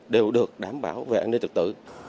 đều được đảm bảo về an ninh trật tự